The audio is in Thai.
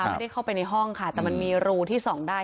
ไม่ได้เข้าไปในห้องค่ะแต่มันมีรูที่ส่องได้